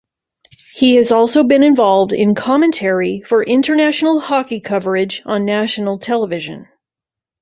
He has also been involved in commentary for international hockey coverage on national television.